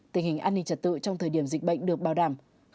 tình hình an ninh trật tự trong thời điểm dịch bệnh được bảo đảm